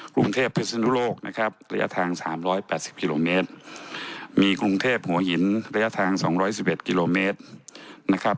กรุงเทพพิศนุโลกนะครับระยะทาง๓๘๐กิโลเมตรมีกรุงเทพหัวหินระยะทาง๒๑๑กิโลเมตรนะครับ